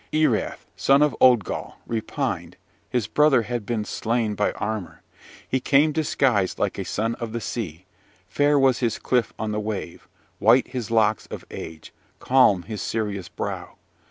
"Erath, son of Odgal, repined: his brother had been slain by Armar. He came disguised like a son of the sea: fair was his cliff on the wave, white his locks of age, calm his serious brow.